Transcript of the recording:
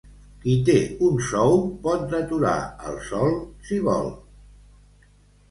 Qui té un sou pot deturar el sol, si vol.